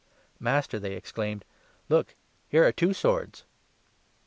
" Master," they exclaimed, " look, here are two swords